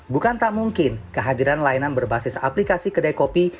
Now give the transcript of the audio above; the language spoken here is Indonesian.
bukan tak mungkin kehadiran layanan berbasis aplikasi kedai kopi